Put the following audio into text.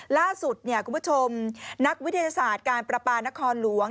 ล่าสุดเนี่ยดังน้ำที่นักวิทยาศาสตร์การประปานะครหลวง